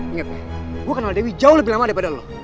ingat ya gue kenal dewi jauh lebih lama daripada lo